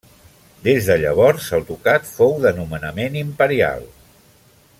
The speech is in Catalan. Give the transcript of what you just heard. Des de llavors el ducat fou de nomenament imperial.